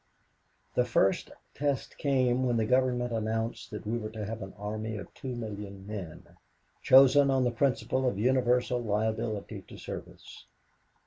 The first test came when the Government announced that we were to have an army of two million men, chosen on the principle of universal liability to service.